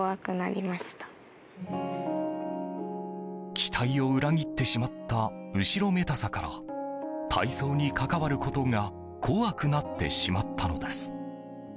期待を裏切ってしまった後ろめたさから体操に関わることが怖くなってしまったのです。